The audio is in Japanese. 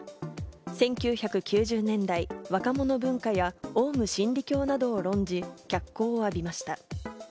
１９９０年代、若者文化や、オウム真理教などを論じ、脚光を浴びました。